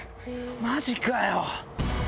マジかよ！